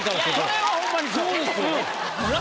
それはホンマにそう。